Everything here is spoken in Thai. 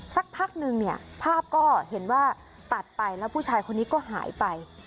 สักพักนึงเนี่ยภาพก็เห็นว่าตัดไปแล้วผู้ชายคนนี้ก็หายไป